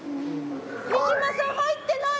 三島さん入ってない！